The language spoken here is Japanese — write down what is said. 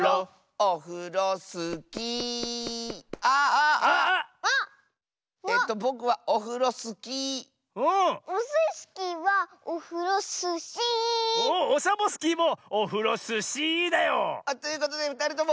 おっオサボスキーもオフロスシーだよ。ということでふたりとも。